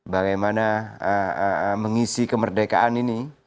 bagaimana mengisi kemerdekaan ini